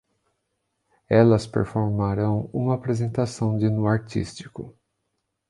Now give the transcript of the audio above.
Elas performarão uma apresentação de nu artístico